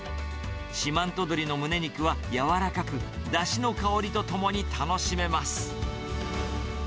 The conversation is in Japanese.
四万十鶏のむね肉は柔らかく、だしの香りとともに楽しめます。